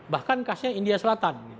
bahkan khasnya india selatan